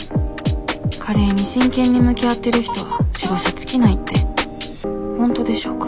カレーに真剣に向き合ってる人は白シャツ着ないって本当でしょうか